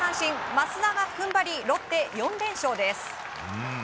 益田が踏ん張りロッテ、４連勝です。